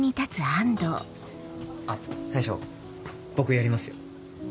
大将僕やりますよ。